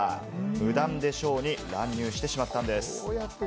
無断でショーに乱入してしまったんです。